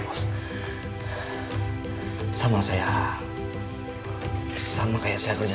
gua resiko sakit